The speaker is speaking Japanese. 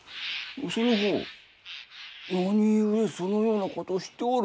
そのほう何故そのようなことを知っておる？